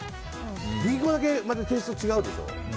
リンゴだけテイストが違うでしょ。